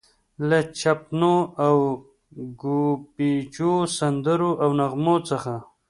له چپنو او ګوبیچو، سندرو او نغمو څخه.